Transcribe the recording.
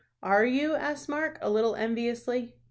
"Are you?" asked Mark, a little enviously.